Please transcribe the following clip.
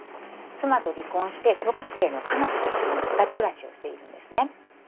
妻と離婚して小学生の夏菜と一緒に２人暮らしをしているんですね。